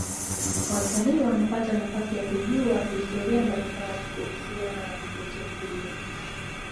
watalii wanapata nafasi ya kujua historia mbalimbali kuhusiana na vivutio hivyo